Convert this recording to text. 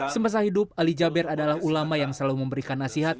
semasa hidup ali jaber adalah ulama yang selalu memberikan nasihat